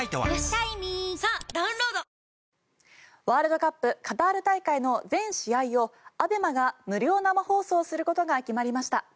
ワールドカップカタール大会の全試合をＡＢＥＭＡが無料生放送することが決まりました。